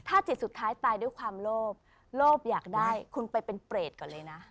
ถ้าจิตสุดท้ายตายด้วยความโลภโลภอยากได้คุณไปเป็นเปรตก่อนเลยนะ